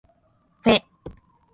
ふぇ